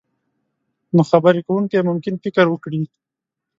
نو خبرې کوونکی ممکن فکر وکړي.